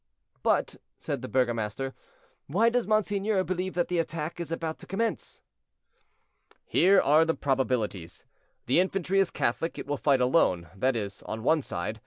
"But," said the burgomaster, "why does monseigneur believe that the attack is about to commence?" "Here are the probabilities. The infantry is Catholic; it will fight alone; that is, on one side.